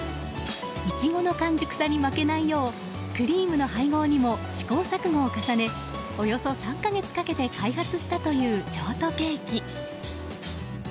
イチゴの完熟さに負けないようクリームの配合にも試行錯誤を重ねおよそ３か月かけて開発したというショートケーキ。